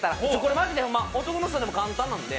マジでホンマ、男の人でも簡単なんで。